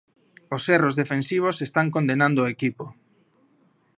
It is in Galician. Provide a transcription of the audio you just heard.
Os erros defensivos están condenando o equipo.